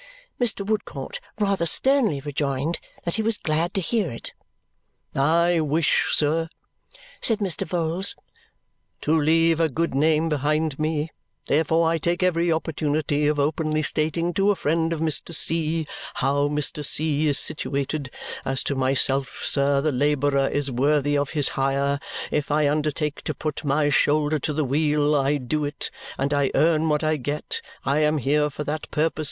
Mr. Woodcourt rather sternly rejoined that he was glad to hear it. "I wish, sir," said Mr. Vholes, "to leave a good name behind me. Therefore I take every opportunity of openly stating to a friend of Mr. C. how Mr. C. is situated. As to myself, sir, the labourer is worthy of his hire. If I undertake to put my shoulder to the wheel, I do it, and I earn what I get. I am here for that purpose.